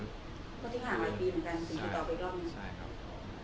ก็ทิ้งหาวัยปีเหมือนกันติดต่อไปรอบนึง